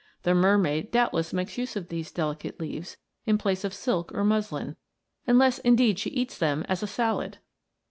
* The mermaid doubtless makes use of these delicate leaves in place of silk or muslin, unless indeed she eats them as a salad.